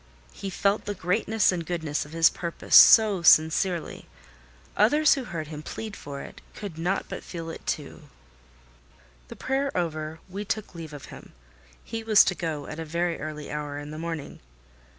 He felt the greatness and goodness of his purpose so sincerely: others who heard him plead for it, could not but feel it too. The prayer over, we took leave of him: he was to go at a very early hour in the morning.